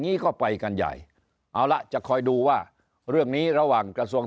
นี้ก็ไปกันใหญ่เอาละจะคอยดูว่าเรื่องนี้ระหว่างกระทรวง